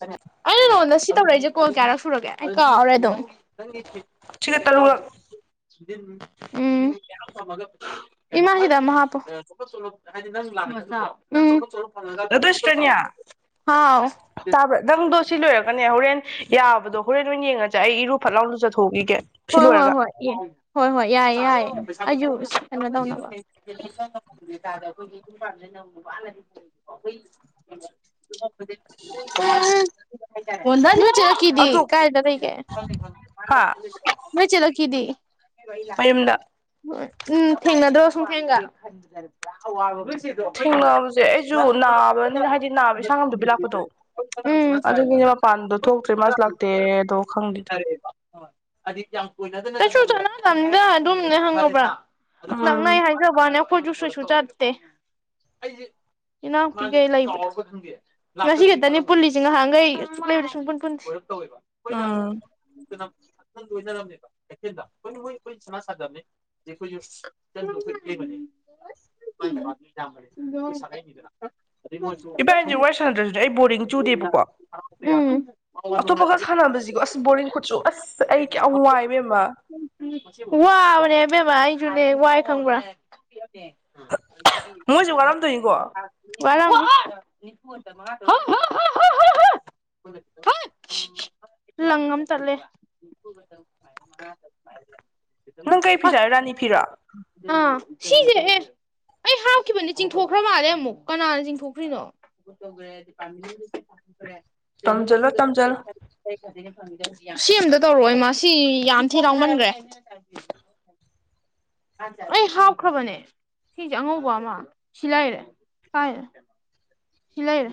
ꯑꯩꯅ ꯅꯉꯣꯟꯗ ꯁꯤ ꯇꯧꯔꯛꯏꯁꯦ ꯀꯣꯟ ꯀꯌꯥꯔꯛ ꯁꯨꯔꯒꯦ ꯑꯩ ꯀꯥꯎꯔꯦ ꯑꯗꯨꯝ ꯁꯤꯒ ꯇꯔꯨꯛꯂꯛ ꯈꯤꯇꯪꯌꯥꯝ ꯊꯃꯒꯩ ꯏꯃꯥ ꯍꯗ ꯃꯍꯥꯄ ꯎꯝ ꯑꯗꯨꯗꯨ ꯏꯁꯁꯇ꯭ꯔꯦꯅꯤꯌꯥ ꯍꯥꯎ ꯆꯥꯕ꯭ꯔꯥ ꯅꯪꯗꯣ ꯁꯤ ꯂꯣꯏꯔꯒꯅꯦ ꯍꯣꯔꯦꯟ ꯌꯥꯕꯗꯣ ꯍꯣꯔꯦꯟ ꯂꯣꯏ ꯌꯦꯡꯉꯁꯦ ꯑꯩ ꯏꯔꯨ ꯐꯠ ꯂꯥꯎꯗ ꯆꯠꯊꯣꯛꯈꯤꯒꯦ ꯍꯣꯏ ꯍꯣꯏ ꯍꯣꯏ ꯍꯣꯏ ꯍꯣꯏ ꯌꯥꯏꯌꯦ ꯌꯥꯏ ꯑꯩ ꯀꯩꯅꯣ ꯇꯧꯅꯕ ꯀꯗ ꯑꯩꯈꯣꯏꯒꯤ ꯌꯨꯝ ꯄꯥꯝꯁꯤꯅ ꯑꯃ ꯋꯥꯅꯗꯤꯕꯀ ꯑꯩꯈꯒꯤ [inaudible] ꯍꯥ ꯀꯗꯤ ꯑꯗꯣ ꯀꯥꯏꯗ ꯂꯩꯩꯒ ꯍꯥ ꯃꯣꯏ ꯆꯂꯣ ꯀꯤꯗꯤ ꯃꯌꯨꯝꯗ ꯎꯝ ꯎꯝ ꯊꯦꯡꯅꯗꯕ ꯁꯨꯝ ꯊꯦꯡꯒ ꯊꯦꯡꯅꯕꯁꯦ ꯑꯩꯁꯨ ꯅꯥꯕꯅꯤꯅ ꯍꯥꯏꯗꯤ ꯅꯥꯕ ꯌꯦꯟꯥꯡ ꯑꯃꯗꯨꯕꯤ ꯂꯥꯛꯄꯗꯣ ꯎꯝ ꯑꯗꯨꯒꯤꯅꯦ ꯃꯄꯥꯟꯗꯣ ꯊꯣꯛꯇ꯭ꯔꯤ ꯃꯥꯁ ꯂꯥꯛꯇꯦꯗꯣ ꯈꯪꯗꯦ ꯀꯨꯅ ꯀꯁꯨ ꯆꯠꯅ ꯂꯝꯗ ꯑꯗꯨꯝꯅꯦ ꯍꯪꯉꯧꯕ꯭ꯔꯥ ꯎꯝ ꯅꯪꯅ ꯑꯩ ꯍꯥꯏꯖꯕꯅꯦ ꯑꯩꯈꯣꯏꯁꯨ ꯁꯨꯁꯨ ꯆꯠꯇꯦ ꯏꯅꯥ ꯀ ꯀꯩ ꯂꯩꯥꯏ ꯉꯁꯤ ꯈꯛꯇꯅꯤ ꯄꯨꯜꯂꯤꯁꯦ ꯉꯍꯥꯈꯩ ꯁꯂꯕ ꯁꯟꯟ ꯎꯝ [unintelligible] ꯀꯩꯊꯦꯟꯗ [unintelligible] ꯁꯅꯥ ꯁꯥꯖꯕꯅꯦ [unintelligible] [unintelligible] ꯏꯕꯥꯅꯤꯁꯦ ꯋꯥꯔꯤ ꯁꯥꯟꯅꯗ꯭ꯔꯁꯨꯅꯦ ꯑꯩ ꯕꯣꯔꯗꯤꯡ [unintelligible] ꯎꯝ ꯑꯇꯣꯞꯄ ꯈ ꯁꯥꯟꯅꯕꯁꯤꯒꯣ ꯑꯁ ꯕꯣꯔꯤꯡ ꯈꯨꯠꯆꯨ ꯑꯁ ꯑꯩ ꯀꯌꯥꯝ ꯋꯥꯏ ꯏꯕꯦꯝꯃ ꯎꯝ ꯋꯥꯕꯅꯦ ꯏꯕꯦꯝꯃ ꯑꯩꯁꯨꯅꯦ ꯋꯥꯏ ꯈꯪꯕ꯭ꯔꯥ ꯃꯣꯏꯁꯨ ꯋꯥꯔꯝꯗꯣꯏꯅꯤꯀꯣ ꯋꯥꯔꯝꯅꯤ [unintelligible] [unintelligible] ꯂꯪ ꯑꯃ ꯇꯠꯂꯦ ꯅꯪ ꯀꯩ ꯐꯤ ꯑꯁ ꯁꯥꯏ ꯔꯥꯅꯤ ꯐꯤꯔꯣ ꯑꯥ ꯁꯤꯖꯦ ꯍꯦ ꯑꯩ ꯍꯥꯞꯈꯤꯕꯅꯦ ꯆꯤꯡꯊꯣꯛꯈ꯭ꯔ ꯃꯥꯜꯂꯦ ꯑꯃꯨꯛ ꯀꯅꯥꯅ ꯆꯤꯡꯊꯣꯛꯈ꯭ꯔꯤꯅꯣ [inaudible] ꯇꯝꯖꯜꯂꯣ ꯇꯝꯖꯜꯂꯣ ꯁꯤ ꯑꯝꯇ ꯇꯧꯔꯛꯑꯣ ꯏꯃꯥ ꯁꯤ ꯌꯥꯝ ꯊꯤꯅꯥ ꯂꯥꯎꯃꯟꯒ ꯭ꯔꯦ ꯑꯩ ꯍꯥꯞꯈ꯭ꯔꯕꯅꯦ ꯁꯤꯁꯦ ꯑꯉꯧꯕ ꯑꯃ ꯁꯤ ꯂꯩꯔꯦ [inaudible] ꯁꯤ ꯂꯩꯔꯦ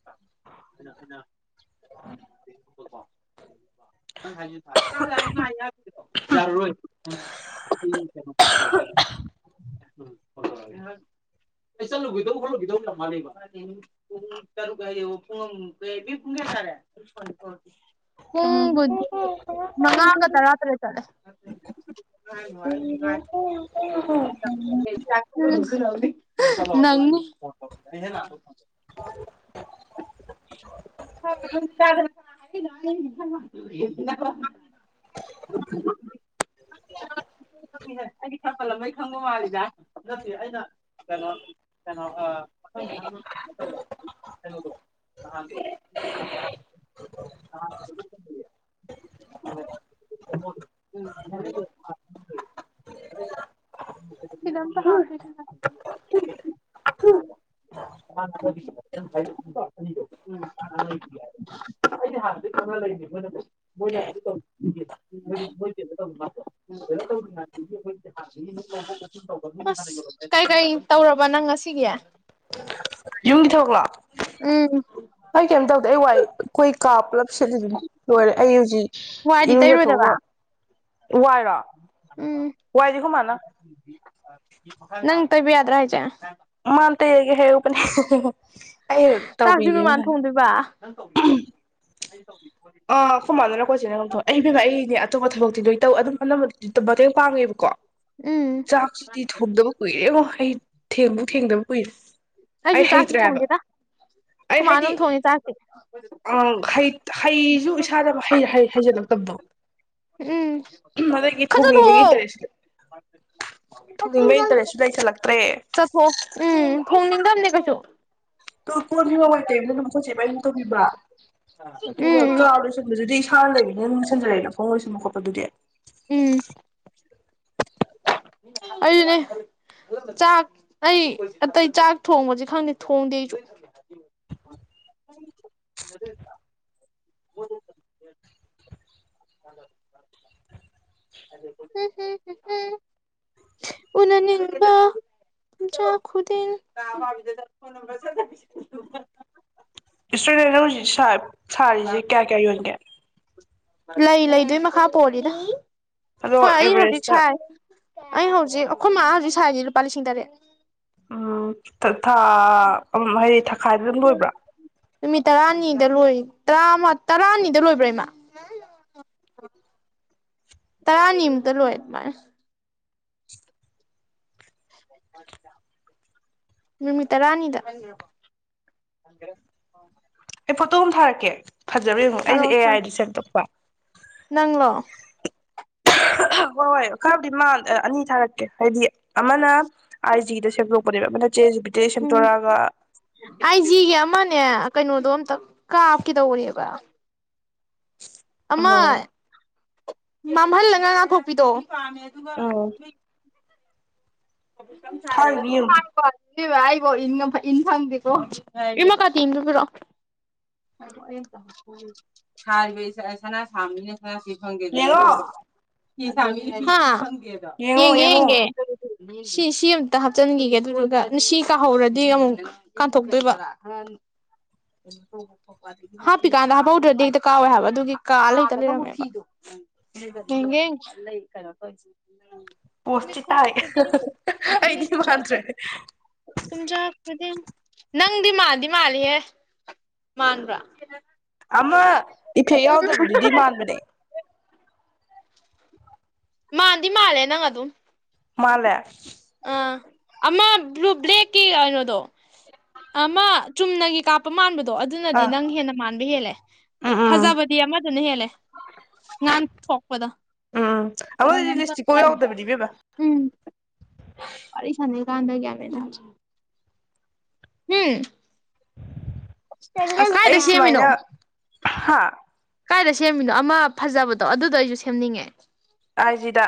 [inaudible] [inaudible] ꯌꯥꯔꯔꯣꯏ [inaudible] ꯑꯩ ꯆꯠꯂꯨꯈꯤꯗꯣꯏꯕ ꯈꯣꯠꯂꯨꯈꯤꯗꯣꯏꯕ ꯌꯥꯝ ꯋꯥꯠꯂꯤꯕ ꯄꯨꯡ ꯇꯔꯨꯛ ꯍꯥꯏꯔꯦꯕꯥ ꯄꯨꯡ ꯑꯃ ꯀꯥꯏꯕꯤ ꯄꯨꯡ ꯀꯌꯥ ꯇꯥꯔꯦ ꯄꯨꯡ ꯕꯨ ꯃꯪ ꯉꯒꯥ ꯇꯔꯥ ꯇꯔꯦꯠ [inaudible] ꯎꯝ ꯅꯡ ꯅꯤ [unintelligible] [inaudible] [inaudible] [inaudible] [unintelligible] [unintelligible] ꯑꯩꯗꯤ ꯈ ꯄꯜ ꯂꯝꯕꯩ ꯈꯪꯕ ꯃꯜꯂꯤꯗ ꯅꯠꯇꯦ ꯑꯩꯅꯥ ꯀꯩꯅꯣ ꯀꯩꯅꯣ ꯑ ꯃꯊꯪ -ꯃꯊꯪ ꯀꯩꯅꯣ ꯇꯧꯕꯥ ꯀꯩꯅꯣꯗꯣ ꯅꯍꯥꯟꯗꯣ [inaudible] [inaudible] [inaudible] [inaudible] ꯑꯩꯗꯤ ꯍꯥꯟꯅꯗꯩꯩ ꯈꯪꯉ ꯂꯩꯕꯅꯤ ꯃꯣꯏꯅ ꯑꯗꯨ ꯇꯧꯔꯤ ꯈꯨꯗꯤꯡꯒꯤ ꯃꯣꯏꯗꯤ ꯀꯩꯅꯦ [inaudible] ꯑꯁ ꯀꯩ - ꯀꯩ ꯇꯧꯔꯕꯥ ꯅꯡ ꯉꯁꯤꯒꯤ ꯌꯨꯝꯒꯤ ꯊꯕꯛꯂꯣ ꯎꯝ ꯑꯩ ꯀꯩꯝ ꯇꯧꯗꯦ ꯑꯩ ꯋꯥꯏ ꯈꯣꯏ ꯀꯥ ꯄꯨꯂꯞ ꯁꯤꯠꯂꯤꯗꯨꯅꯤ ꯂꯣꯏꯔꯦ ꯑꯩ ꯍꯧꯖꯤꯛ ꯋꯥꯏꯗꯤ ꯏꯔꯨꯖꯊꯣꯛ ꯇꯩꯔꯣꯏꯗꯕ ꯑꯒ ꯋꯥꯏꯔꯣ ꯎꯝ ꯋꯥꯏ ꯗꯤ ꯈꯣꯏꯃꯅꯥ ꯅꯪ ꯇꯩꯕꯥ ꯌꯥꯗ꯭ꯔꯥ ꯍꯥꯏꯁꯦ ꯃꯥꯅ ꯇꯩꯔꯒꯦ ꯍꯥꯏꯍꯧꯕꯅꯦ ꯆꯥꯛꯁꯨ ꯅꯣꯏ ꯃꯅꯥ ꯊꯣꯡꯗꯨꯏꯕ ꯑꯥ ꯈꯨꯣꯏꯃꯥꯟꯅꯥꯔ ꯈꯣꯏꯆꯦꯅꯥꯔ ꯊꯣꯡ ꯑꯩ ꯏꯕꯦꯝꯃꯥ ꯑꯩꯅꯦ ꯑꯇꯣꯞꯄ ꯊꯕꯛꯇꯤ ꯂꯣꯏ ꯇꯧ ꯑꯗꯨꯝ ꯑꯅꯝꯕꯗꯤ ꯃꯇꯦꯡ ꯄꯥꯡꯉꯦꯕꯀꯣ ꯎꯝ ꯆꯥꯛꯁꯤꯗꯤ ꯊꯣꯡꯗꯕ ꯀꯨꯏꯔꯦꯉꯣ ꯑꯩ ꯊꯦꯡꯕꯨ ꯊꯦꯡꯗꯕ ꯀꯨꯏꯔꯦ ꯑꯩ ꯑꯩꯁꯨ ꯆꯥꯛꯇꯤ ꯍꯩꯇ꯭ꯔꯦ ꯍꯥꯏꯕ ꯊꯣꯡꯗꯦꯗ ꯑꯩ ꯈꯣꯏꯃꯥꯅ ꯍꯥꯏꯗꯤ ꯑꯗꯨꯝ ꯊꯣꯡꯉꯦ ꯆꯥꯛꯇꯤ ꯑ ꯍꯩ [unintelligible] ꯏꯁꯥꯗ ꯍꯩ- ꯍꯩ ꯍꯩꯖꯤꯜꯂꯛꯇꯕꯗꯣ ꯎꯝ ꯑꯗꯒꯤ ꯊꯣꯡꯅꯤꯡꯕꯒꯤ ꯈꯖꯗꯣꯛꯑꯣ ꯏꯟꯇꯔꯦꯁ ꯊꯣꯡꯅꯤꯡꯕꯒꯤ ꯏꯟꯇꯔꯦꯁꯗ ꯂꯩ ꯆꯜꯂꯛꯇ꯭ꯔꯦ ꯆꯠꯊꯣꯛ ꯎꯝ ꯊꯣꯡꯅꯤꯡꯗꯕꯅꯦ ꯀꯩꯁꯨ ꯀꯣꯟ ꯉꯉꯥꯏꯇꯕ ꯅꯅ ꯃꯊꯛꯁꯦ ꯃꯝ ꯇꯧꯕꯤꯕ ꯑꯗꯨꯒ ꯎꯝ ꯀꯥꯎꯗ ꯑꯗꯨꯗꯤ ꯏꯁꯥꯅ ꯂꯩꯕꯅꯦꯅ ꯅꯅꯨꯡꯁꯟꯖꯔꯛꯏꯦ ꯐꯣꯡ ꯑꯣꯏꯣꯏꯁꯕ ꯈꯣꯠꯗꯨꯗꯤ ꯎꯝ ꯑꯗꯨꯅꯦ ꯆꯥꯛ ꯑꯩ ꯑꯇꯩ ꯆꯥꯛ ꯊꯣꯡꯕꯁꯦ ꯈꯪꯗꯦ ꯊꯣꯡꯗꯦ ꯑꯩꯁꯨ [inaudible] ꯃ [unintelligible] ꯑꯅꯅꯤꯡꯕ ꯖ‌ꫭꯈꯨꯗꯤꯟ ꯏꯁꯇ꯭ꯔꯨꯗꯦꯟꯅ ꯍꯧꯖꯤꯛ ꯁꯥꯔꯤꯁꯦ ꯀꯌꯥ ꯀꯌꯥ ꯌꯣꯟꯒꯦ ꯂꯩ ꯂꯩ ꯗꯨꯒꯤ ꯃꯈꯥ ꯄꯣꯜꯂꯤꯗ ꯑꯗꯣ ꯑ ꯑꯩ ꯍꯧꯖꯤꯛ ꯑꯦꯚꯔꯦꯁꯇ ꯁꯥꯏ ꯑꯩ ꯍꯧꯖꯤꯛ ꯑꯩꯈꯣꯏ ꯃꯥꯥ ꯍꯧꯖꯤꯛ ꯁꯥꯏꯖꯤ ꯂꯨꯄꯥ ꯂꯤꯁꯤꯡ ꯇꯔꯦꯠ ꯎꯝ ꯊꯥ ꯍꯥꯏꯗꯤ ꯊꯥꯈꯥꯏꯗ ꯑꯗꯨꯝ ꯂꯣꯏꯕ꯭ꯔꯥ ꯅꯨꯃꯤꯠ ꯇꯔꯥꯅꯤꯗ ꯂꯣꯏ ꯇꯔꯥꯃ ꯇꯔꯥꯅꯤꯗ ꯂꯣꯏꯕ꯭ꯔꯥ ꯏꯃꯥ ꯇꯔꯥꯅꯤꯃꯨꯛꯇ ꯂ‌ꫭꯏ ꯑꯗꯥꯏꯅ ꯅꯨꯃꯤꯠ ꯇꯔꯥꯅꯤꯗ ꯑꯩ ꯐꯣꯇꯣ ꯑꯃ ꯊꯥꯔꯛꯀꯦ ꯐꯖꯕ ꯌꯦꯡꯉꯨ ꯑꯩꯁꯦ ꯑꯦ ꯊꯥꯔꯛꯑꯣ ꯑꯥꯏꯗ ꯁꯦꯝ ꯇꯧꯄ ꯅꯪꯂꯣ ꯍ‌ꫭꯏ ꯍ‌ꫭꯏ ꯈꯔꯕꯨꯗꯤ ꯑꯅꯤ ꯊꯥꯔꯛꯀꯦ ꯍꯥꯏꯗꯤ ꯑꯃꯅ ꯑꯥꯏ ꯖꯤꯗ ꯁꯦꯝꯗꯣꯛꯄꯅꯦꯕ ꯑꯃꯅ ꯆꯦ ꯖꯤꯕꯤꯗꯩꯩ ꯁꯦꯝꯗꯣꯔꯛꯑꯒ ꯑꯥꯏꯖꯤꯒꯤ ꯑꯃꯅꯦ ꯀꯩꯅꯣꯗꯣ ꯑꯝꯇ ꯀꯥꯞꯀꯗꯧꯔꯤꯕ ꯑꯃ ꯎꯝ ꯃꯝꯍꯜꯂꯒꯥ ꯉꯥꯟꯊꯣꯛꯄꯤꯗꯣ ꯑꯣ ꯆꯔꯒ ꯊꯥꯔꯤꯅꯤ [inaudible] ꯌꯦꯡꯉꯣ ꯏ ꯃꯥ ꯀꯥꯇꯤ ꯑꯃꯨꯛꯇ ꯄꯤꯔꯛꯑ‌ꫭ ꯍꯥꯏꯕ ꯏꯆ‌ꯦ ꯁꯅꯥ ꯁꯥꯕ ꯃꯤꯅꯥ ꯁꯥ ꯌꯦꯡꯉꯣ ꯌ‌ꯦꯡꯒ‌ꯦ ꯌꯦꯡꯉꯣ ꯌꯦꯡꯉꯣ ꯌ‌ꯦꯡꯒ‌ꯦ ꯁꯤ ꯁꯤ ꯑꯃꯨꯝꯇ ꯍꯥꯞꯆꯤꯟꯈꯤꯒꯦ ꯑꯗꯨꯗꯨꯒ ꯉꯁꯤ ꯀꯥꯍꯧꯔꯗꯤ ꯑꯃꯨꯛ ꯀꯥꯟꯊꯣꯛꯇꯣꯏꯕ [inaudible] ꯍꯥꯞꯄꯤꯀꯥꯟꯗ ꯍꯥꯞꯄꯧꯗ꯭ꯔꯗꯤ ꯍꯦꯛꯇ ꯀꯥꯎꯋꯦ ꯍꯥꯏꯕ ꯑꯗꯨꯒꯤ ꯀꯥꯜꯂ ꯍ‌ꯦꯛꯇ ꯂꯩꯔꯝ ꯃ‌ꯦꯕꯥ ꯌ‌ꯦꯡꯒ‌ꯦ ꯌ‌ꯦꯡꯒ‌ꯦ ꯄꯣꯠꯇꯤ ꯇꯥꯏ ꯑꯩꯗꯤ ꯃꯥꯟꯗ꯭ꯔꯦ ꯀꯝꯖ ꯈꯨꯗꯤꯡ ꯅꯪꯗꯤ ꯃꯥꯟꯗꯤ ꯃꯥꯟꯂꯤꯍ‌ꯦ ꯃꯥꯟꯕ꯭ꯔꯥ ꯑꯃꯥ ꯏꯐꯦꯛ ꯌꯥꯎꯗꯕꯗꯨꯗꯤ ꯃꯥꯟꯕꯅꯦ ꯃꯥꯟꯗꯤ ꯃꯥꯟꯂꯦ ꯅꯪ ꯑꯗꯨꯝ ꯃꯥꯟꯂꯦ ꯑꯥ ꯑꯃ ꯕ꯭ꯂꯨ ꯕ꯭ꯂꯦꯛꯀꯤ ꯀꯩꯅꯣꯗꯣ ꯑꯃ ꯆꯨꯝꯅꯒꯤ ꯀꯥꯞ ꯄ ꯃꯥꯟꯕꯗꯣ ꯑꯗꯨꯅꯗꯤ ꯑꯥ ꯅꯪ ꯍꯦꯟꯅ ꯃꯥꯟꯕ ꯍꯦꯜꯂꯦ ꯎꯝ ꯎꯝ ꯐꯖꯕꯗꯤ ꯑꯃꯗꯨꯅ ꯍꯦꯜꯂꯦ ꯉꯥꯟ ꯊꯣꯛꯄꯗꫭ ꯎꯝ ꯑꯃꯗꯨꯗꯤ ꯂꯤꯁꯇꯤꯛꯄꯥꯎ ꯌꯥꯎꯗꯕꯅꯤ ꯏꯕ‌ꯦꯝꯃ ꯎꯝ ꯋꯔꯤ ꯁꯥꯅꯩ ꯀꯥꯟꯗ ꯒꯤꯋꯟ ꯃ‌ꯦꯟꯅ ꯇꯗꯔ‌ꯦ ꯎꯝ ꯑꯁ ꯀꯗꯥꯥꯏꯗ ꯑꯩ ꯁꯦꯝꯃꯤꯅꯣ ꯁꯨꯃꯥꯏꯅ ꯍꯥ ꯀꯥꯏꯗ ꯁꯦꯝꯃꯤꯅꯣ ꯑꯃ ꯐꯖꯕꯗꯣ ꯑꯗꯨꯗꯣ ꯑꯩꯁꯨ ꯁꯦꯝꯅꯤꯡꯉꯦ ꯑꯥꯏꯖꯤꯗ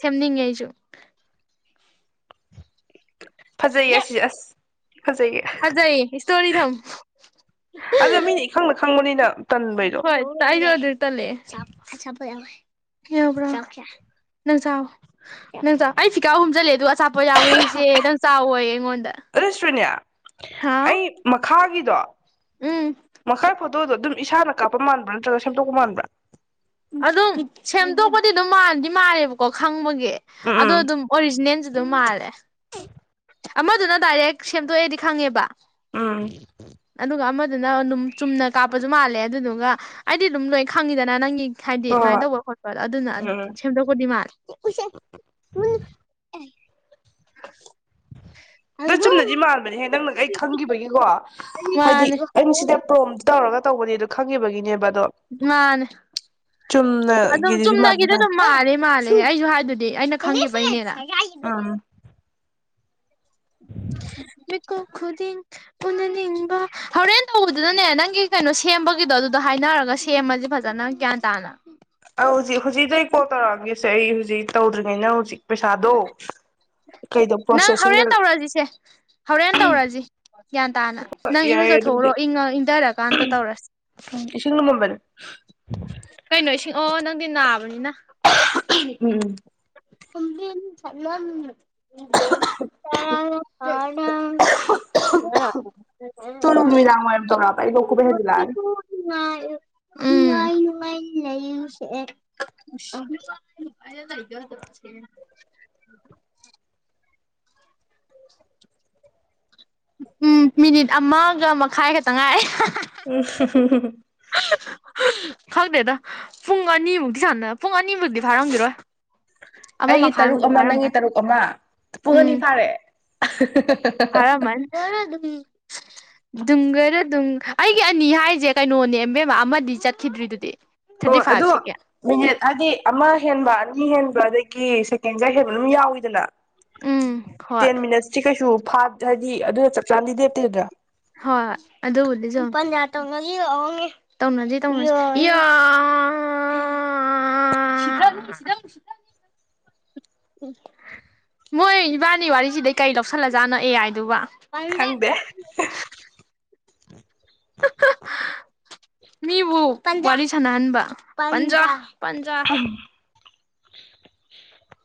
ꯁꯦꯝꯅꯤꯡꯉꯦ ꯑꯩꯁꯨ ꯐꯖꯩꯌꯦ ꯑꯁꯤ ꯑꯁ ꯐꯖꯩꯌꯦ ꯍꯖꯩ ꯏꯁꯇꯣꯔꯤ ꯊꯝꯃꯨ ꯈꯪꯅ ꯈꯪꯕꯅꯤꯅ ꯇꯟꯕꯩꯗꯣ ꯍꯣꯏ ꯑꯩꯁꯨ ꯑꯗꯨꯗ ꯇꯜꯂꯦꯑ‌ꯦ ꯅꯪꯆꯥꯔ‌ꫭ ꯅꯪ ꯆꯥꯎ ꯑꯩ ꯐꯤꯈꯥꯎ ꯍꯨꯝꯖꯤꯜꯂꯦ ꯑꯗꯨꯒ ꯑꯁꯥꯄꫭꯠ ꯌꯥꯎꯋꯦꯁꯦ ꯅꯪ ꯆꯥꯎꯋꯌ‌ꯦ ꯑꯩꯉꯣꯟꯗ ꯑꯗꯨꯗ [unintelligible] ꯁꯔꯤꯅꯦ ꯍꯥ ꯑꯩ ꯃꯈꯥꯒꯤꯗꯣ ꯎꯝ ꯃꯈꯥꯏ ꯑꯗꯨꯗꯣ ꯑꯗꯨꯝ ꯏꯁꯥꯅ ꯀꯥꯞꯄ ꯃꯥꯟꯕꯔꯥ ꯅꯠꯇ꯭ꯔꯒ ꯁꯦꯝꯗꯣꯛꯄ ꯃꯥꯟꯕ꯭ꯔꯥ ꯑꯗꯨꯝ ꯁꯦꯝꯗꯣꯛꯄꯗꯤ ꯑꯗꯨꯝ ꯃꯥꯟꯗꯤ ꯃꯥꯜꯂꯦꯕꯀꯣ ꯈꯪꯕꯒꯤ ꯑꯗꯣ ꯎꯝ ꯑꯗꯨꯝ ꯑꯣꯔꯤꯖꯤꯅꯦꯜ ꯑꯗꯨꯝ ꯃꯥꯂꯦ ꯑꯃꯗꯨꯅ ꯗꯥꯏꯔꯦꯛ ꯁꯦꯝꯗꯣꯛꯑꯦꯗꯤ ꯈꯪꯉꯦꯕ ꯎꯝ ꯑꯗꯨꯒ ꯑꯃꯗꯨꯅ ꯑꯗꯨꯝ ꯆꯨꯝꯅ ꯀꯥꯞꯄꯁꯨ ꯃꯥꯜꯂꯦ ꯑꯗꯨꯗꯨꯒ ꯑꯩꯗꯤ ꯑꯗꯨꯝ ꯂꯣꯏ ꯈꯪꯉꯤꯗꯅ ꯅꯪꯒꯤ ꯍꯥꯏꯗꯤ ꯍꯣꯏ ꯍꯣꯏ ꯑꯗꯨꯃꯥꯏꯅ ꯍꯣꯏ ꯇꯧꯕ ꯈꯣꯠꯄꯗ ꯑꯗꯨꯅ ꯎꯝ ꯎꯝ ꯁꯦꯝꯗꯣꯛꯄꯗꯤ ꯃꯥꯂꯦ [unintelligible] ꯗꫭ ꯆꯨꯝꯅꯗꯤ ꯃꯥꯟꯕꯅꯦꯍ ꯅꯪꯅꯪ ꯑꯩ ꯈꯪꯈꯤꯕꯒꯤꯀꯣ ꯍꯥꯏꯗꯤ ꯃꯥꯅꯦ ꯑꯩꯅ ꯁꯤꯗ ꯄ꯭ꯔꯣꯝ ꯇꯧꯔꯒ ꯇꯧꯕꯅꯦꯗꯣ ꯈꯪꯈꯤꯕꯒꯤꯅꯦꯕ ꯑꯗꯣ ꯃꯥꯅꯦ ꯑꯗꯨꯝ ꯆꯨꯝꯅꯒꯤꯗꯤ ꯃꯥꯟꯗꯤ ꯆꯨꯝꯅꯒꯤꯗꯤ ꯃꯥꯟꯂꯦ ꯑꯗꯨꯝ ꯃꯥꯂꯦ ꯃꯥꯜꯂꯦ ꯑꯩꯁꯨ ꯍꯥꯏ ꯑꯗꯨꯗꯤ ꯑꯩꯅ ꯈꯪꯖꯕꯩꯅꯦꯅ ꯎꯝ ꯃꯤꯀꯥꯞ ꯈꯨꯗꯤꯡ ꯎꯅ ꯅꯤꯡꯕ ꯍꯣꯔꯦꯟ ꯇꯧꯕꯗꯨꯗꯅꯦ ꯅꯪꯒꯤ ꯀꯩꯅꯣ ꯁꯦꯝꯕꯒꯤꯗꯣ ꯑꯗꯨꯗꯣ ꯍꯥꯏꯅꯔꯒ ꯁꯦꯝꯃꯁꯦ ꯐꯖꯅ ꯒ꯭ꯌꯥꯟ ꯇꯥꯅ ꯑꯧ ꯍꯧꯖꯤꯛ ꯍꯧꯖꯤꯛꯗ ꯑꯩ ꯀꯣꯜ ꯇꯧꯔꯛꯑꯒꯦꯁꯦ ꯑꯩ ꯍꯧꯖꯤꯛ ꯇꯧꯗ꯭ꯔꯤꯉꯩꯩ ꯅꯪ ꯍꯧꯖꯤꯛ ꯄꯩꯁꯥꯗꯣ ꯀꯩꯗꯣ ꯅꯪ ꯄ꯭ꯔꯣꯁꯦꯁꯤꯡꯗ ꯍꯣꯔꯦꯟ ꯇꯧꯔꯁꯤꯁꯦ ꯍꯧꯔꯦꯟ ꯇꯧꯔꯁꯤ ꯒ꯭ꯌꯥꯟ ꯇꯥꯅ ꯅꯪ ꯌꯥꯏ ꯏꯔꯨꯖꯊꯣꯛꯎꯔꯣ ꯑꯗꯨꯕꯨꯗꯤ ꯏꯪ ꯏꯪꯊꯔꯀꯥꯟꯗ ꯇꯧꯔꯁꯤ ꯎꯝ ꯏꯁꯤꯡ ꯂꯨꯃꯥꯝꯕꯅꯤ ꯀꯩꯅꯣ ꯏꯁꯤꯡꯉ ꯑꯣ ꯅꯪꯗꯤ ꯅꯥꯕꯅꯤꯅ ꯎꯝ [unintelligible] [unintelligible] [unintelligible] ꯅꯨꯃꯤꯗꯥꯡ ꯋꯥꯏꯔꯝ ꯇꯧꯔꯛꯑꯕ ꯑꯩ [unintelligible] ꯂꯣꯛ ꯎꯝ ꯈꯨꯕ ꯍꯦꯟꯖꯤꯜꯂꯛꯑꯅꯤ ꯅꯨꯡꯉꯥꯏ ꯅꯨꯡꯉꯥꯏ ꯂꯩꯌꯨꯁꯦ ꯅꯨꯡꯉꯥꯏ ꯅꯨꯡꯉꯥꯏ ꯂꯩ [unintelligible] [unintelligible] ꯎꯝ ꯃꯤꯅꯤꯠ ꯑꯃꯒ ꯃꯈꯥꯏ ꯈꯛꯇ ꯉꯥꯏꯑꯦ [unintelligible] ꯈꯪꯗꯦꯗ ꯄꯨꯡ ꯑꯅꯤꯃꯨꯛꯇꯤ ꯁꯥꯟꯅ ꯄꯨꯡ ꯑꯅꯤꯃꯨꯛꯇꯤ ꯐꯥꯔꯝꯈꯤꯔꯣꯏ ꯑꯃ ꯑꯩꯒꯤ ꯇꯔꯨꯛ ꯃꯈꯥꯏꯃꯨꯛꯇꯤ ꯑꯃ ꯅꯪꯒꯤ ꯐꯥꯔꯝꯃꯅꯤ ꯇꯔꯨꯛ ꯑꯃ ꯄꯨꯡ ꯑꯅꯤ ꯎꯝ ꯐꯥꯔꯦ ꯌꯥꯔ ꯑꯗꯨ ꯗꯨꯝꯒꯔ ꯗꯨꯝ ꯑꯩꯒꯤ ꯑꯅꯤ ꯍꯥꯏꯁꯦ ꯀꯩꯅꯣꯅꯦ ꯏꯕꯝꯃꯥ ꯑꯃꯗꯤ ꯆꯠꯈꯤꯗ꯭ꯔꯤꯗꯨꯗꯤ ꯊꯥꯔꯇꯤ ꯍꯣꯏ ꯐꯥꯏꯚ ꯑꯗꯣ ꯁꯦꯀꯦꯟ ꯃꯤꯅꯤꯠ ꯍꯥꯏꯗꯤ ꯑꯃ ꯍꯦꯟꯕ ꯑꯅꯤ ꯍꯦꯟꯕ ꯑꯗꯥꯒꯤ ꯁꯦꯀꯦꯟꯒ ꯍꯦꯟꯕ ꯑꯗꯨꯝ ꯌꯥꯎꯏꯤꯗꯅ ꯎꯝ ꯍꯣꯏ ꯇꯦꯟ ꯃꯤꯅꯠꯁꯇꯤ ꯀꯩꯁꯨ ꯐꯥ ꯍꯥꯏꯗꯤ ꯑꯗꯨꯅ ꯆꯞ ꯆꯥꯅꯗꯤ ꯂꯦꯞꯇꯦꯗꯅ ꯍꯣꯏ ꯍꯣꯏ ꯑꯗꯨꯕꯨꯗꯤ [unintelligible] ꯇꯧꯅꯁꯦ ꯇꯧꯅꯁꯦ ꯃꯣꯏ ꯏꯕꯥꯅꯤ ꯋꯥꯔꯤꯁꯤꯗꯩ ꯀꯔꯤ ꯂꯧꯁꯜꯂꯖꯥꯠꯅꯣ ꯑꯦ ꯑꯥꯏ ꯗꯨꯕ ꯈꯪꯗꯦ [unintelligible] ꯃꯤꯕꯨ ꯄꯟꯖ ꯋꯥꯔꯤ ꯁꯥꯟꯅꯍꯟꯕ ꯄꯟꯖ ꯄꯟꯖ ꯄꯟꯖ [unintelligible]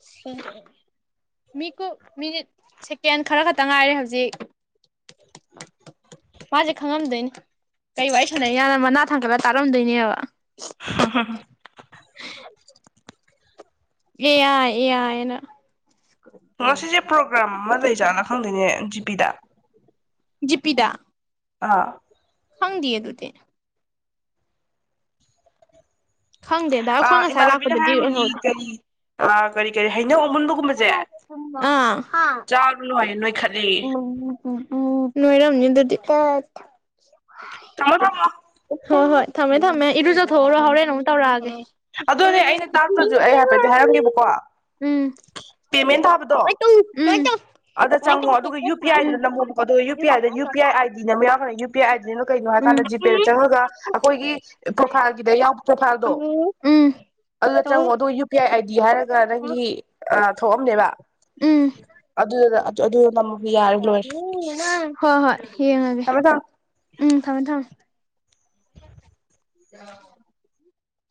ꯁꯦꯍꯦ ꯃꯤꯀꯨꯞ ꯃꯤꯅꯤꯠ ꯁꯦꯀꯦꯟ ꯈꯔ ꯈꯇ ꯉꯥꯏꯔꯦ ꯍꯧꯖꯤꯛ ꯃꯥꯖꯦ ꯈꯪꯉꯝꯗꯣꯏꯅꯤ ꯀꯔꯤ ꯋꯥꯔꯤ ꯁꯟꯅꯩꯖꯥꯠꯅꫭ ꯃꯅꯥ ꯊꯥꯡꯒꯠꯂ ꯇꯥꯔꯝꯗꯣꯏꯅꯦꯕ ꯍꯥ ꯍꯥ ꯍꯥ ꯑꯦ ꯑꯥꯏ ꯑꯦ ꯑꯥꯏꯅ ꯉꯁꯤꯖꯦ ꯄ꯭ꯔꯣꯒ꯭ꯔꯥꯝ ꯑꯃ ꯂꯩꯖꯥꯠꯂꯥ ꯈꯪꯗꯦꯅꯦ ꯖꯤ ꯄꯤꯗ ꯖꯤꯄꯤꯗꯥ ꯑꯥ ꯈꯪꯗꯤꯌꯦ ꯑꯗꯨꯗꯤ ꯈꯪꯗꯦꯗ ꯑ ꯑꯩꯈꯣꯏ ꯉꯁꯥꯏ ꯏꯃꯟꯅꯕꯤꯅ ꯂꯥꯛꯄꯗꯗꯤ ꯍꯥꯏꯔꯝꯃꯤꯅꯤ ꯑꯣꯏꯍꯧꯗꯦ ꯀꯔꯤ ꯑ ꯀꯔꯤ ꯀꯔꯤ ꯍꯩꯅꯧ ꯑꯃꯨꯟꯕꯒꯨꯝꯕꯖꯦ ꯆꯥꯔꯨꯅꯣ ꯍꯥꯏꯌꯦ ꯅꯣꯏꯈꯠ ꯎ ꯎꯝ ꯎꯝ ꯅꯣꯏꯔꯝꯅꯤ ꯑꯗꯨꯗꯤ ꯇꯊ ꯊꯝꯃꯣ ꯊꯝꯃꯣ ꯍꯣꯏ ꯍꯣꯍꯣꯏ ꯊꯝꯃꯦ ꯊꯝꯃꯦ ꯏꯔꯨꯖꯎ ꯊꯣꯛꯎꯔꯣ ꯎꯝ ꯍꯧꯔꯦꯟ ꯑꯃꯨꯛ ꯇꯧꯔꯛꯑꯒꯦ ꯎꯝ ꯑꯗꯨꯅꯦ ꯑꯩꯅ ꯇꯥꯛꯇ꯭ꯔꯁꯨ ꯇꯥꯅꯤꯡꯇꯦ ꯑꯩ ꯍꯥꯏꯐꯦꯠꯇꯤ ꯋꯥꯔꯤ ꯍꯥꯏꯔꯝꯒꯦꯕꯀꯣ ꯎꯝ ꯄꯦꯃꯦꯟ ꯊꯥꯕꯗꯣ ꯑꯗ ꯆꯪꯉꯣ ꯑꯗꯨꯒ ꯌꯨ ꯄꯤ ꯑꯥꯏꯗꯤ ꯅꯝꯃꯣꯕꯀꯣ ꯑꯗꯨꯒ U P I the U P I D ꯑꯃ ꯌꯥꯎꯔꯛꯀꯅꯤ ꯌꯨꯡꯅ ꯄꯤ ꯑꯥꯏ ꯀꯩꯅꯣ ꯍꯥꯏ ꯀꯥꯟꯗ ꯖꯤꯄꯦꯗ ꯆꯪꯉꯒ ꯑꯈꯣꯏꯒꯤ ꯄ꯭ꯔꯣꯐꯥꯏꯜꯒꯤꯗ ꯌꯥꯎ ꯄ꯭ꯔꯣꯐꯥꯏꯜꯗꯣ ꯑꯗꯨꯗ ꯆꯪꯉꯣ ꯑꯗꯨꯒ ꯌꯨ ꯄꯤ ꯑꯥꯏ ꯑꯥꯏꯗꯤ ꯍꯥꯏꯔꯒ ꯅꯪꯒꯤ ꯑ ꯊꯣꯛꯑꯝꯅꯦꯕ ꯑꯗꯨꯗ ꯅ ꯑꯗꯨꯗ ꯅꯝꯃ ꯌꯥꯔꯦ ꯂꯣꯏꯔꯦ ꯍꯣ ꯍꯣꯏ ꯌꯦꯡꯉꯒꯦ ꯊꯝꯃꯦ ꯊꯝꯃꯦ ꯎꯝ ꯊꯝꯃꯦ ꯊꯝꯃꯦ